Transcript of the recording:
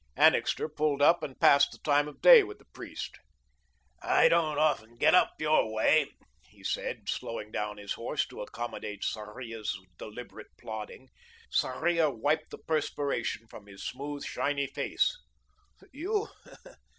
Annixter pulled up and passed the time of day with the priest. "I don't often get up your way," he said, slowing down his horse to accommodate Sarria's deliberate plodding. Sarria wiped the perspiration from his smooth, shiny face. "You?